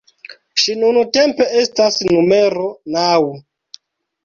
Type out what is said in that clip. Ŝi nuntempe estas numero naŭ.